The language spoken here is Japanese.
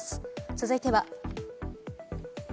続いては。